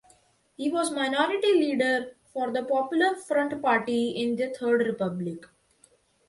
He was minority leader for the Popular Front Party in the third republic.